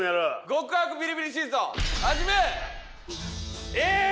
極悪ビリビリシーソー始め！